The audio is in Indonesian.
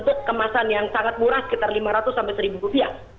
jadi kita tidak memiliki kemasan yang sangat murah sekitar lima ratus seribu rupiah